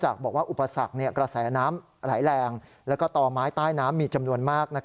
เจ้าหน้าที่บอกว่าน่าจะภายใน๒๔ชั่วโมง